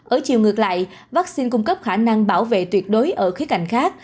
ở chiều ngược lại vaccine cung cấp khả năng bảo vệ tuyệt đối ở khía cạnh khác